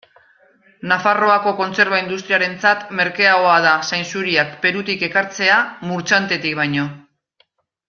Nafarroako kontserba industriarentzat merkeagoa da zainzuriak Perutik ekartzea Murchantetik baino.